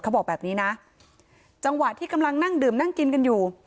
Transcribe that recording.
เขาบอกแบบนี้นะจังหวะที่กำลังนั่งดื่มนั่งกินกันอยู่